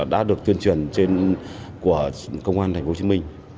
đã được tuyên truyền trên của công an tp hcm